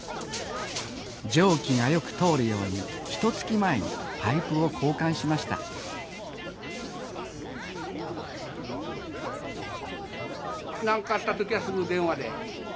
蒸気がよく通るようにひとつき前にパイプを交換しました何かあった時はすぐ電話で「